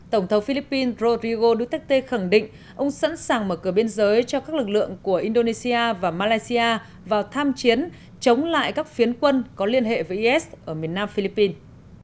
tổng thống philippines rodrigo duterte khẳng định ông sẵn sàng mở cửa biên giới cho các lực lượng của indonesia và malaysia vào tham chiến chống lại các phiến quân có liên hệ với is ở miền nam philippines